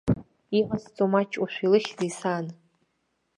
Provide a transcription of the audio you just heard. Иҟазҵо маҷушәа, илыхьзеи сан?!